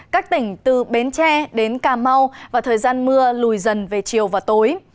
các tỉnh từ bến tre đến cà mau và thời gian mưa lùi dần về chiều và tối